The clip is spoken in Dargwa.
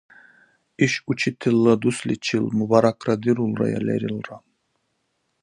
Иш учителла дусличил мубаракра дирулрая лерилра.